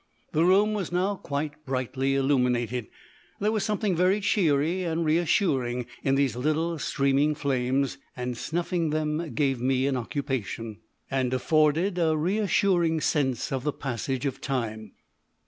The room was now quite brightly illuminated. There was something very cheery and reassuring in these little streaming flames, and snuffing them gave me an occupation, and afforded a reassuring sense of the passage of time.